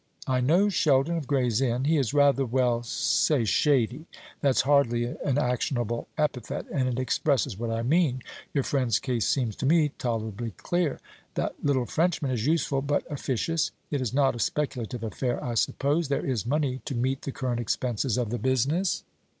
I know Sheldon, of Gray's Inn. He is rather well, say shady. That's hardly an actionable epithet, and it expresses what I mean. Your friend's case seems to me tolerably clear. That little Frenchman is useful, but officious. It is not a speculative affair, I suppose? There is money to meet the current expenses of the business?"